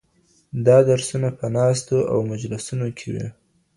دا درسونه په ناستو او مجلسونو کې وي.